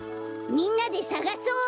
みんなでさがそう！